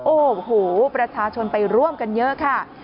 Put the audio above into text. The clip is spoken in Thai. โอ้โหประชาชนไปร่วมกันเยอะค่ะ